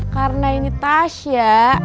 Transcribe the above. karena ini tas ya